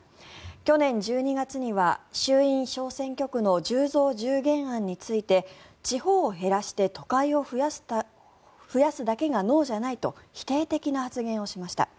去年１２月には衆院小選挙区の１０増１０減案について地方を減らして都会を増やすだけが能じゃないと否定的な発言をしました。